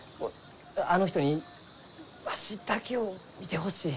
あの人にわしだけを見てほしい。